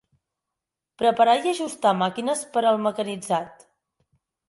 Preparar i ajustar màquines per al mecanitzat.